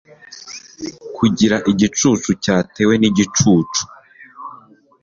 kugira igicucu cyatewe nigicucu